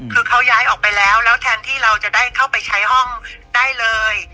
คือเขาย้ายออกไปแล้วแล้วแทนที่เราจะได้เข้าไปใช้ห้องได้เลย